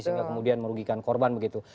sehingga kemudian merugikan korban begitu